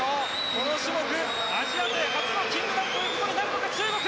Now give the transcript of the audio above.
この種目、アジア勢初の金メダルとなるのか中国！